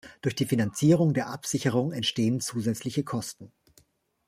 Durch die Finanzierung der Absicherung entstehen zusätzliche Kosten.